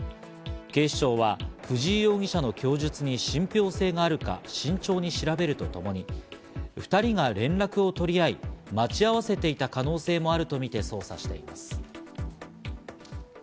警視庁は藤井容疑者の供述に信憑性があるか慎重に調べるとともに２人が連絡を取り合い、待ち合わせていた可能性があるとみて捜査しています。